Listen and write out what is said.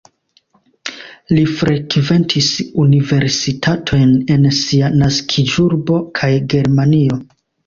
Li frekventis universitatojn en sia naskiĝurbo kaj Germanio.